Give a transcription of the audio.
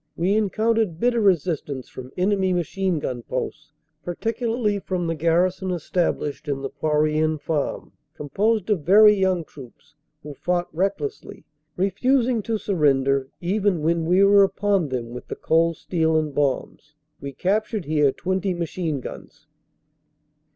We encountered bitter resistance from enemy machine gun posts, particularly from the garrison established in the Poirien farm, composed of very young troops, who fought recklessly, refusing to surrender even when we were upon them with the cold steel and bombs. We captured here 20 machine guns.